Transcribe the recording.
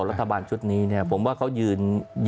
รัฐบาลชุดนี้เนี่ยผมว่าเขายืน